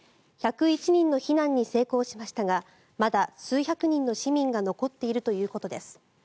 １０１人の避難に成功しましたがまだ数百人の市民が残っているということです。